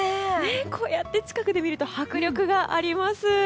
こうやって近くで見ると迫力がありますね。